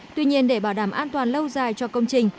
tuy nhiên để bảo đảm an toàn lâu dài cho công trình